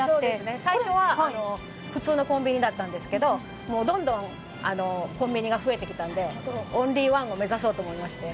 最初は普通のコンビニだったんですけど、どんどんコンビニが増えてきたんでオンリーワンを目指そうと思いまして。